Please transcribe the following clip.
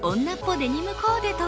デニムコーデとは？